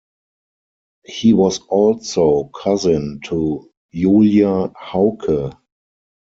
He was also cousin to Julia Hauke.